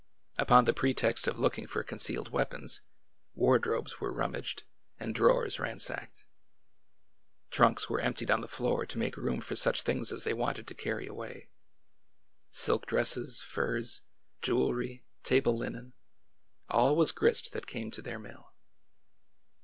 Upon the pretext of looking for concealed weapons, wardrobes were rummaged and drawers ransacked. Trunks were emptied on the floor to make room for such things as they wanted to carry away— silk dresses, furs, jewelry, table linen— all was grist that came to their mill.